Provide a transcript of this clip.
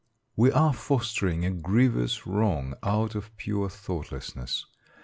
We are fostering a grievous wrong out of pure thoughtlessness.